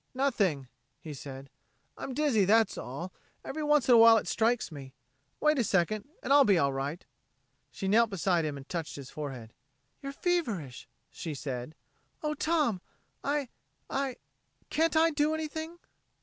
"Nothing," he said. "I'm dizzy, that's all. Every once in a while it strikes me. Wait a second, and I'll be all right." She knelt beside him and touched his forehead. "You're feverish," she said. "Oh, Tom ... I ... can't I do anything?"